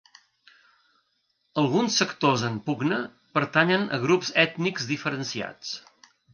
Alguns sectors en pugna pertanyen a grups ètnics diferenciats.